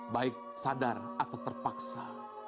baik sadar atau terpaksa